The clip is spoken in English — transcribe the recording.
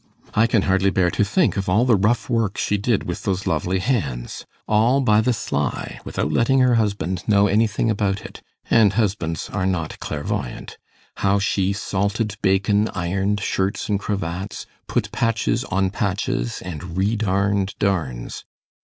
I can hardly bear to think of all the rough work she did with those lovely hands all by the sly, without letting her husband know anything about it, and husbands are not clairvoyant: how she salted bacon, ironed shirts and cravats, put patches on patches, and re darned darns.